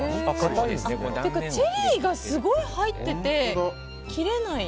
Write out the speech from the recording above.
チェリーがすごい入ってて切れない。